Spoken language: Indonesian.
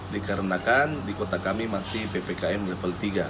dikarenakan di kota kami masih ppkm level tiga